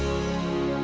ya salah satu